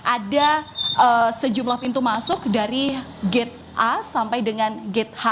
ada sejumlah pintu masuk dari gate a sampai dengan gate h